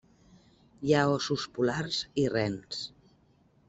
Hi ha óssos polars i rens.